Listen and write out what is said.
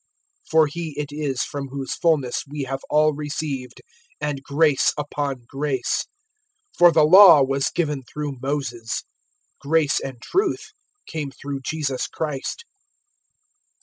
001:016 For He it is from whose fulness we have all received, and grace upon grace. 001:017 For the Law was given through Moses; grace and truth came through Jesus Christ.